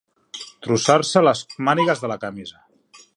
Trossar-se les mànigues de la camisa.